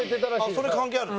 それ関係あるの？